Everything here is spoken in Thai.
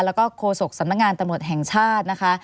แล้วก็โฆษกสำนักงานตำรวจแห่งชาตินะคะ